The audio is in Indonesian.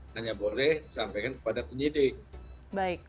hanya boleh sampaikan kepada penyidik